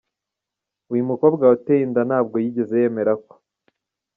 Uyu mukobwa watewe inda ntabwo yigeze yemera ko.